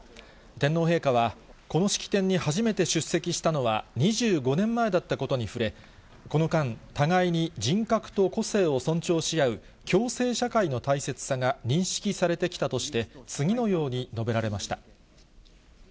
天皇陛下は、この式典に初めて出席したのは２５年前だったことに触れ、この間、互いに人格と個性を尊重し合う共生社会の大切さが認識されてきたとして、次のように述べられました。